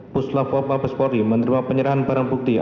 pusat wapah bespori menerima penyerahan barang putih